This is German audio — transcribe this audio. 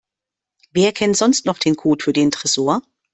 Wer kennt sonst noch den Code für den Tresor?